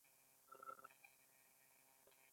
که پښتانه ځوانان همداسې په احساس او ولولو کار وکړی نو